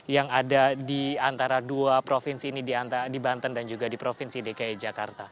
yang ada di antara dua provinsi ini di banten dan juga di provinsi dki jakarta